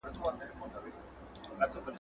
انسان د قوانينو په لټه کي وي.